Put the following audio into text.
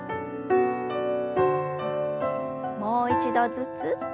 もう一度ずつ。